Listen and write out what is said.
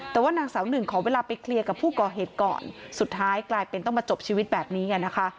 แต่ว่านางสาวหนึ่งขอเวลาไปเคลียร์กับผู้ก่อเหตุก่อนสุดท้ายกลายเป็นต้องมาจบชีวิตแบบนี้นะคะ